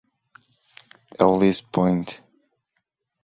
Ellis Point.